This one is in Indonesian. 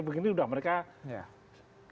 kemarin pun saya mengatakan